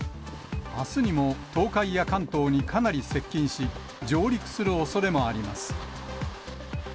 あすにも東海や関東にかなり接近し、上陸するおそれもあります。